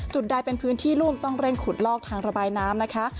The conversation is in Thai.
ใดเป็นพื้นที่รุ่มต้องเร่งขุดลอกทางระบายน้ำนะคะ